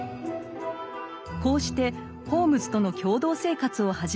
こうしてホームズとの共同生活を始めたワトソン。